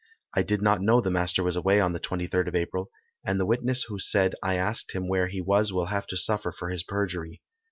I did not know the master was away on the 23rd of April, and the witness who said I asked him where he was will have to suffer for his perjury.